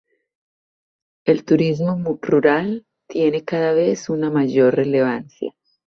El turismo rural tiene cada vez una mayor relevancia.